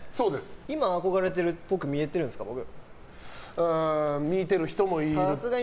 今、憧れてるっぽく見えてるんですか、僕。